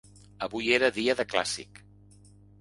Avui era dia de clàssic.